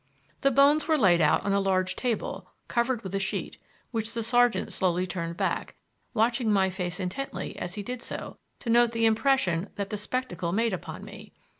The bones were laid out on a large table and covered with a sheet, which the sergeant slowly turned back, watching my face intently as he did so to note the impression that the spectacle made upon me.